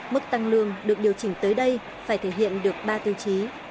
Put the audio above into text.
mức tăng lương được điều chỉnh tới đây phải thể hiện được ba tiêu chí